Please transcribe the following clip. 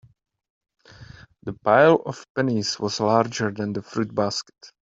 The pile of pennies was larger than the fruit basket.